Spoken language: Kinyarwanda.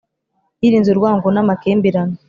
yirinze urwango n'amakimbirane,